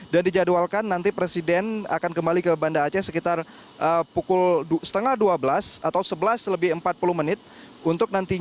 dan di jadwalkan nanti presiden akan kembali ke bandar aceh sekitar pukul setengah dua belas atau sebelas lebih empat puluh menit